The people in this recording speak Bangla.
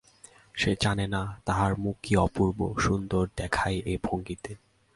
সে জানে না তাহার মুখ কি অপূর্ব সুন্দর দেখায় এই ভঙ্গিতে।